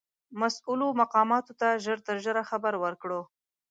مسؤولو مقاماتو ته ژر تر ژره خبر ورکړو.